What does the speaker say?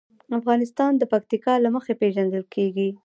افغانستان د پکتیکا له مخې پېژندل کېږي.